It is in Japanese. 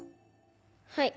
はい。